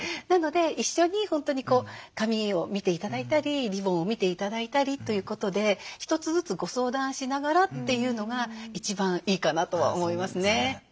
なので一緒に本当に紙を見て頂いたりリボンを見て頂いたりということで一つずつご相談しながらっていうのが一番いいかなとは思いますね。